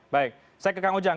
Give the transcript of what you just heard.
baik saya ke kang ujang